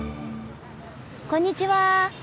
こんにちは。